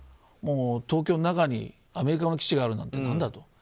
東京の中にアメリカの基地があるなんて、なんだと。